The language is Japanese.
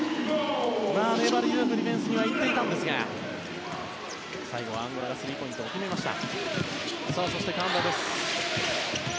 粘りづよくディフェンスに行っていましたが最後は、アンゴラがスリーポイントを決めました。